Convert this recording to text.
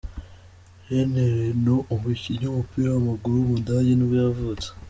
René Renno, umukinnyi w’umupira w’amaguru w’umudage nibwo yavutse.